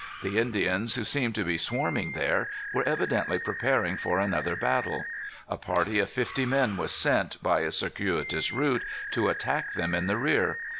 The Indians, who seemed to be swarming there, were evidently preparing for another battle. A party of fifty men was sent, by a circuitous route, to attack them in the rear.